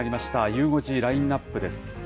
ゆう５時ラインナップです。